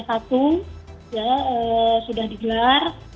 ini adalah kompetisi yang sudah digelar